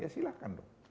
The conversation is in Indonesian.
ya silahkan dong